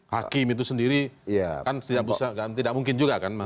hakim itu sendiri kan tidak bisa tidak mungkin juga kan mas